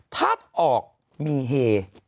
ถ้าออกมีเฮ